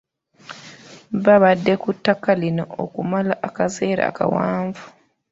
Babadde ku ttaka lino okumala akaseera kawanvu.